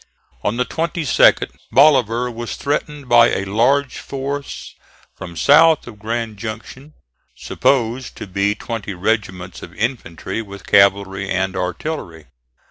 On the 22d Bolivar was threatened by a large force from south of Grand Junction, supposed to be twenty regiments of infantry with cavalry and artillery.